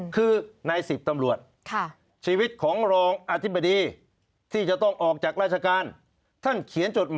คือใน๑๐ตำรวจ